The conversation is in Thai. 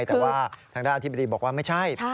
แต่ว่าทางด้านอธิบดีบอกว่าไม่ใช่